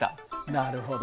なるほど。